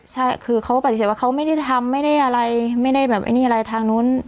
ใช่คือเขาปฏิเสธว่าเขาไม่ได้ทำไม่ได้อะไรไม่ได้แบบไอ้นี่อะไรทางนู้น